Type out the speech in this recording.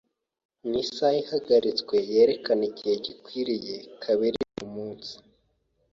N'isaha ihagaritswe yerekana igihe gikwiye kabiri kumunsi.